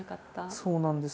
そうなんです。